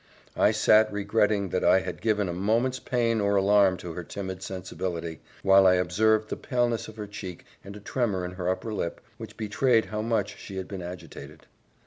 I sat regretting that I had given a moment's pain or alarm to her timid sensibility, while I observed the paleness of her cheek, and a tremor in her under lip, which betrayed how much she had been agitated.